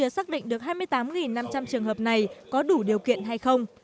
xác định được hai mươi tám năm trăm linh trường hợp này có đủ điều kiện hay không